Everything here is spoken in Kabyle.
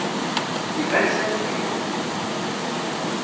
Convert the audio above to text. Iban sani leḥḥun.